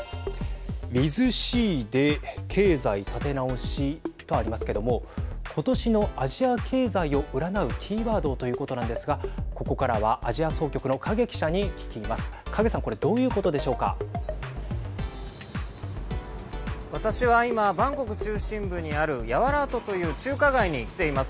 ウィズＣで経済立て直しとありますけども今年のアジア経済を占うキーワードということなんですがここからはアジア総局の影記者に聞きます。